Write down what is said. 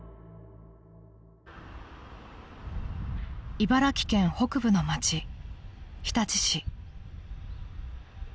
［茨城県北部の街日立市］